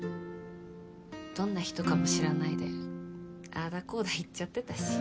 どんな人かも知らないでああだこうだ言っちゃってたし。